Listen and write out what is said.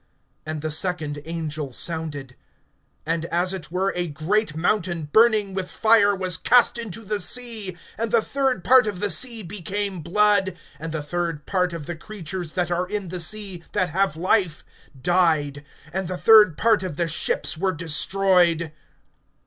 (8)And the second angel sounded; and as it were a great mountain burning with fire was cast into the sea, and the third part of the sea became blood; (9)and the third part of the creatures that are in the sea, that have life, died; and the third part of the ships were destroyed.